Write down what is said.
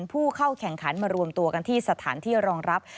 ผู้เข้าแข่งขันมารวมตัวกันที่สถานที่รองรับ